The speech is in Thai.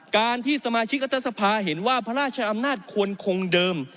การที่สมาชิกรัฐสภาเห็นว่าพระราชอำนาจควรคงเดิม